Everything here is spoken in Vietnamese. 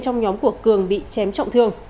trong nhóm của cường bị chém trọng thương